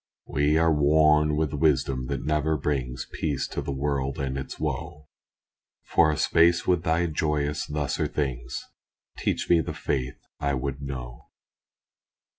We are worn with wisdom that never brings Peace to the world and its woe For a space with Thy joyous lesser things, Teach me the faith I would know.